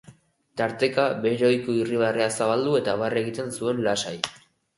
Tarteka, bere ohiko irribarrea zabaldu eta barre egiten zuen lasai.